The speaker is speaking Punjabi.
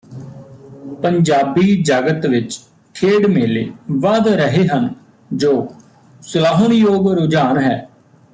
ਪੰਜਾਬੀ ਜਗਤ ਵਿਚ ਖੇਡ ਮੇਲੇ ਵਧ ਰਹੇ ਹਨ ਜੋ ਸਲਾਹੁਣਯੋਗ ਰੁਝਾਨ ਹੈ